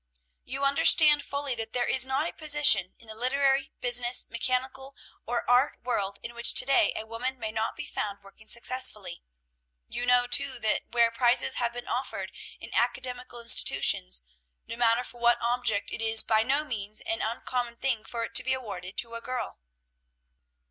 You understand fully, that there is not a position in the literary, business, mechanical, or art world in which to day a woman may not be found working successfully. "You know, too, that where prizes have been offered in academical institutions, no matter for what object, it is by no means an uncommon thing for it to be awarded to a girl.